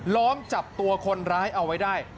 ล้อมจับตัวคนร้ายเอาไว้ได้